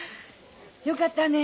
よかったね藍。